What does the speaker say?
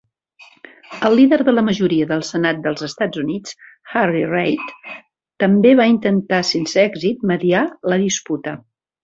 El líder de la majoria del senat dels Estats Units, Harry Reid, també va intentar sense èxit mediar la disputa.